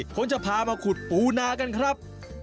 ผมจะพามาขุดปูนากันครับ